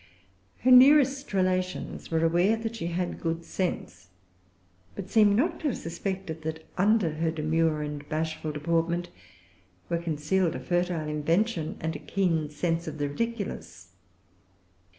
Her nearest relations were aware that she had good sense, but seem not to have suspected that, under her demure and bashful deportment, were concealed a fertile invention and a keen sense of the ridiculous.